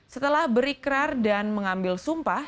setelah berikrar dan mengambil sumpah